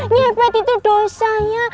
ngepet itu dosanya